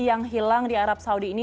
yang hilang di arab saudi ini